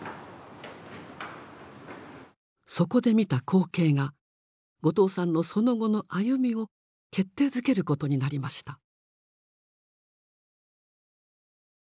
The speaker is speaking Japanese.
そこで見た光景が後藤さんのその後の歩みを決定づけることになりました。